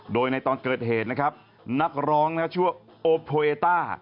โดยในตอนเกิดเหตุนะครับนักร้องชื่อว่าโอโพเอต้า